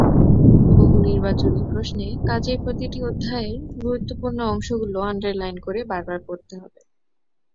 বহুনির্বাচনী প্রশ্নে কাজেই প্রতিটি অধ্যায়ের গুরুত্বপূর্ণ অংশগুলো আন্ডারলাইন করে বারবার পড়তে হবে।